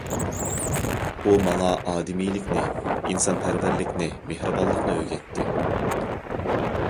ئۇ ماڭا ئادىمىيلىكنى، ئىنسانپەرۋەرلىكنى، مېھرىبانلىقنى ئۆگەتتى.